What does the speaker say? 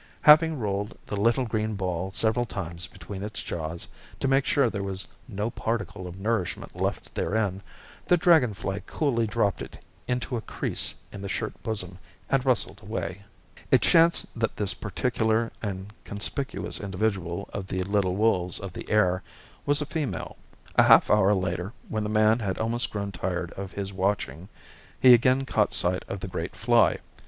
Having rolled the little green ball several times between its jaws, to make sure there was no particle of nourishment left therein, the dragon fly coolly dropped it into a crease in the shirt bosom, and rustled away. [Illustration: "A LARGE FROG RISE TO THE SURFACE JUST BELOW HER."] It chanced that this particular and conspicuous individual of the little wolves of the air was a female. A half hour later, when the man had almost grown tired of his watching, he again caught sight of the great fly.